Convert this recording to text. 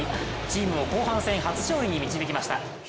チームを後半戦初勝利に導きました。